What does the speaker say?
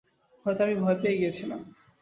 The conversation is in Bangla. হয়তো আমি ভয় পেয়ে গিয়েছিলাম।